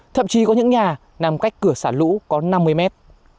thậm chí có những nhà nằm cách cửa xả lũ có năm mươi mét